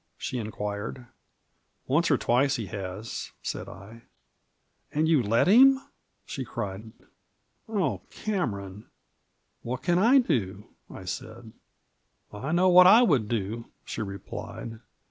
she in quired. " Once or twice he has," said I. " And you let him 1 " she cried. " Oh, Cameron 1 " "What can I do?" I said. " I know what / would do," she replied.